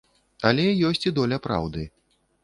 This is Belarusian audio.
Але ёсць і доля праўды.